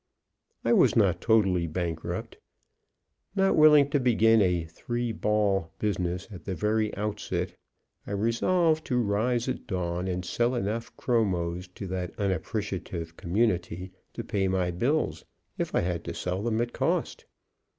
I was not totally bankrupt. Not willing to begin a "three ball" business at the very outset, I resolved to rise at dawn and sell enough chromos to that unappreciative community to pay my bills, if I had to sell them at cost.